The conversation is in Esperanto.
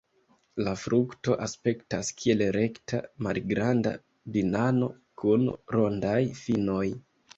La frukto aspektas kiel rekta, malgranda banano kun rondaj finoj.